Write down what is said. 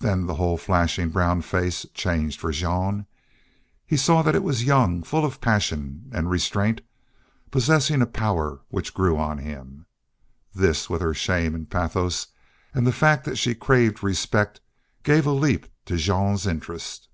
Then the whole flashing brown face changed for Jean. He saw that it was young, full of passion and restraint, possessing a power which grew on him. This, with her shame and pathos and the fact that she craved respect, gave a leap to Jean's interest.